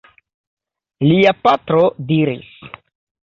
Lia patro diris.